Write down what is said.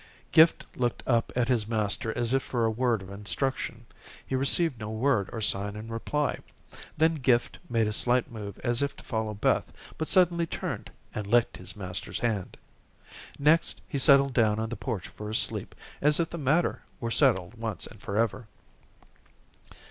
Gift looked up at his master as if for a word of instruction. He received no word or sign in reply. Then Gift made a slight move as if to follow Beth, but suddenly turned and licked his master's hand. Next, he settled down on the porch for a sleep as if the matter were settled once and forever.